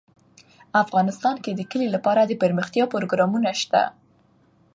افغانستان کې د کلي لپاره دپرمختیا پروګرامونه شته.